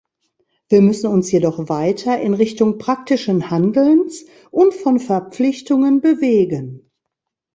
Wir müssen uns jedoch weiter in Richtung praktischen Handelns und von Verpflichtungen bewegen.